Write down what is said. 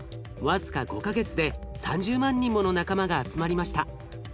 僅か５か月で３０万人もの仲間が集まりました。